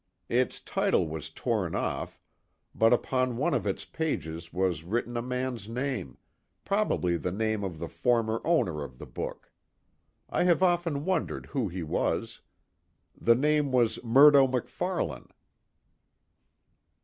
Its title was torn off, but upon one of its pages was written a man's name, probably the name of the former owner of the book. I have often wondered who he was. The name was Murdo MacFarlane."